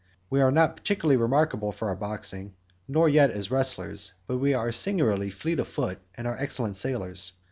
We are not particularly remarkable for our boxing, nor yet as wrestlers, but we are singularly fleet of foot and are excellent sailors.